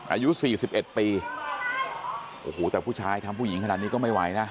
อายุสี่สิบเอ็ดปีโอ้โหแต่ผู้ชายทำผู้หญิงขนาดนี้ก็ไม่ไหวนะ